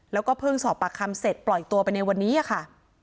แล้วก็เพิ่งสอบปากคำเสร็จปล่อยตัวไปในวันนี้ค่ะ